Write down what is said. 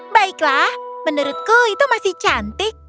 baiklah menurutku itu masih cantik